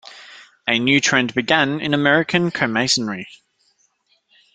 A new trend began in American Co-masonry.